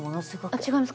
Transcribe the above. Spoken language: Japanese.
違います。